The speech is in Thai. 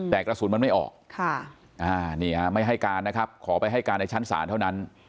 แต่กระสุนมันไม่ออกนี่ฮะไม่ให้การนะครับขอไปให้การในชั้นศาลเท่านั้น